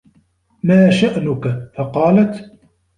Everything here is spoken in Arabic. مَا شَأْنُك ؟ فَقَالَتْ